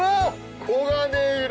黄金色。